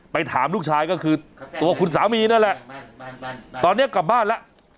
ถามลูกชายก็คือตัวคุณสามีนั่นแหละตอนนี้กลับบ้านแล้ว